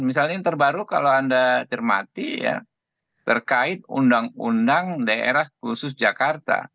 misalnya yang terbaru kalau anda cermati ya terkait undang undang daerah khusus jakarta